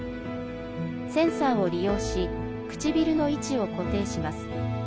センサーを利用し唇の位置を固定します。